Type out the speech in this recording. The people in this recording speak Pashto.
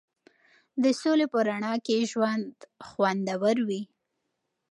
د سولې په رڼا کې ژوند خوندور وي.